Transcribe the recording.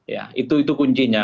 ya itu itu kuncinya